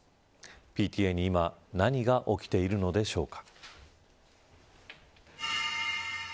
ＰＴＡに今何が起きているのでしょうか。